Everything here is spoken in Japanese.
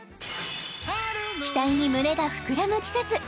期待に胸が膨らむ季節！